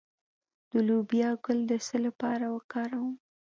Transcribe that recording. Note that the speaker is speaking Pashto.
د لوبیا ګل د څه لپاره وکاروم؟